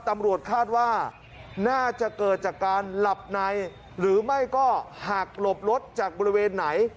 ตำรวจคาดว่าน่าจะเกิดจากการหลับในหรือไม่ก็หักหลบรถจากบริเวณไหน